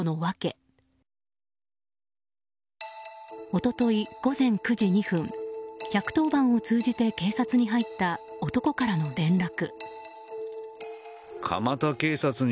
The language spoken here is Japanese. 一昨日午前９時２分１１０番を通じて警察に入った男からの連絡。